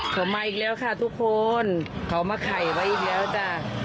เขามาอีกแล้วค่ะทุกคนเขามาไข่ไว้อีกแล้วจ้ะ